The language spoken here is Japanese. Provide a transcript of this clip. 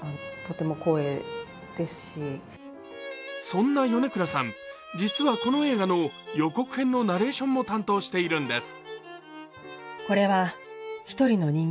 そんな米倉さん、実はこの映画の予告編のナレーションも担当しているんです。